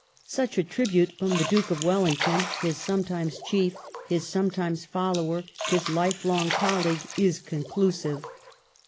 Such a tribute from the Duke of Wellington, his sometime chief, his sometime follower, his life long colleague, is conclusive.